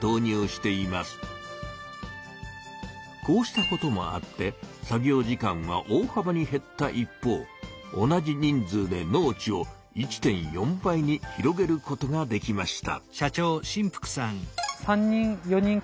こうしたこともあって作業時間は大はばにへった一方同じ人数で農地を１．４倍に広げることができました。